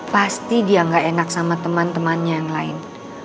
pasti dia nggak enak sama teman temannya yang lain